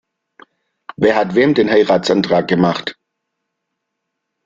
Wer hat wem den Heiratsantrag gemacht?